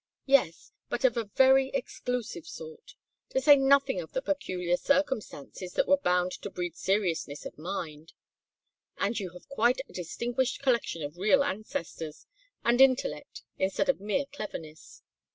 "Yes, but of a very exclusive sort to say nothing of the peculiar circumstances that were bound to breed seriousness of mind. And you have quite a distinguished collection of real ancestors, and intellect instead of mere cleverness.